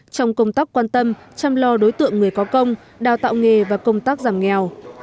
trong công tác quan tâm chăm lo đối tượng người có công đào tạo nghề và công tác giảm nghèo